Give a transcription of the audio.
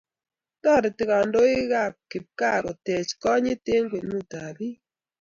Toreti kandoikab kipgaa koteech konyit eng' kwenutab biik.